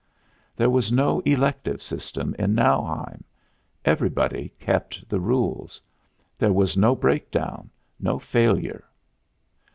There was no elective system in Nauheim. Everybody kept the rules. There was no breakdown, no failure.